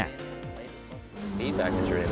kondisi berkendara ini sangat bagus saya suka